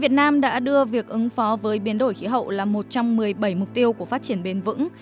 việt nam đã đưa việc ứng phó với biến đổi khí hậu là một trong một mươi bảy mục tiêu của phát triển bền vững